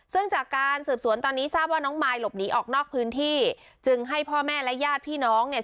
ซึ่งจากการสืบสวนตอนนี้ทราบว่าน้องมายหลบหนีออกนอกพื้นที่จึงให้พ่อแม่และญาติพี่น้องเนี่ย